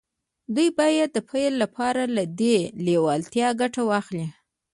دوی باید د پیل لپاره له دې لېوالتیا ګټه واخلي